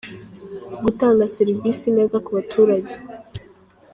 gutanga serivisi neza ku baturage.